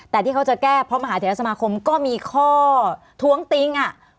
แต่ที่เขาจะแก้เพราะมหาเทศสมาคมก็มีข้อท้วงติง